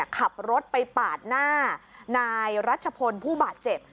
ขับรถไปปาดหน้านายรัชพลผู้บาดเจ็บ